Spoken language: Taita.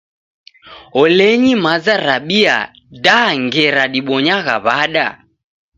Olenyi maza rabia da ngera nibonyagha w'ada!